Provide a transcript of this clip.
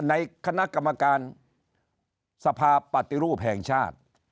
ในคณะกรรมการสภาปฏิรูปแห่งชาติ